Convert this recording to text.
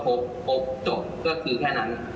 พบจบก็คือแค่นั้น